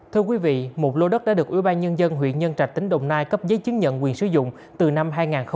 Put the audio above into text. thưa quý vị một lô đất đã được ủy ban nhân dân huyện nhân trạch tỉnh đồng nai cấp giấy chứng nhận quyền sử dụng từ năm hai nghìn ba